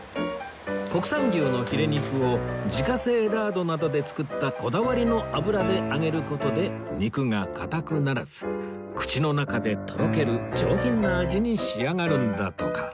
国産牛のヒレ肉を自家製ラードなどで作ったこだわりの油で揚げる事で肉が硬くならず口の中でとろける上品な味に仕上がるんだとか